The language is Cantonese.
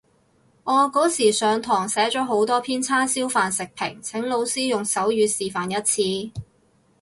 我嗰時上堂寫咗好多篇叉燒飯食評，請老師用手語示範一次